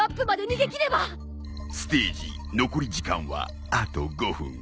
ステージ残り時間はあと５分。